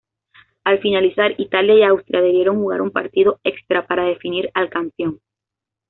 Al finalizar Italia y Austria debieron jugar un partido extra para definir al campeón.